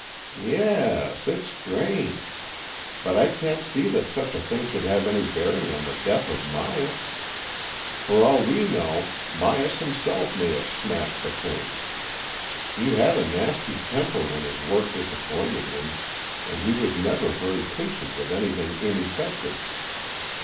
"Yes, it's strange. But I can't see that such a thing should have any bearing on the death of Myas. For all we know, Myas himself may have smashed the thing. He had a nasty temper when his work disap pointed him, and he was never very patient^ with anything ineffective.